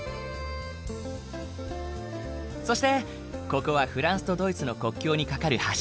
そしてここはフランスとドイツの国境に架かる橋。